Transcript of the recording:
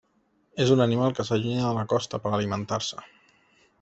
És un animal que s'allunya de la costa per alimentar-se.